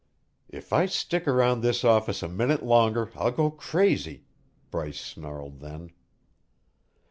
"If I stick around this office a minute longer, I'll go crazy," Bryce snarled then.